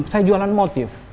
saya jualan motif